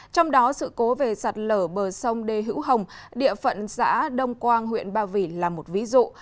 trong đó sự cố về sạt lở bờ sông đê hữu hồng địa phận xã đông quang huyện ba vỉ là một ví dụ